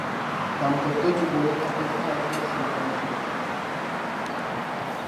দাম্পত্য জীবনে তাদের চার জন সন্তান ছিলো।